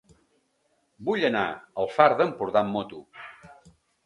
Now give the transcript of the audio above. Vull anar al Far d'Empordà amb moto.